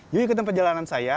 yuk ikutin perjalanan saya